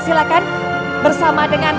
silahkan bersama dengan